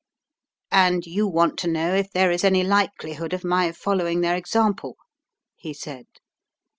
"And you want to know if there is any likelihood of my following their example?" he said.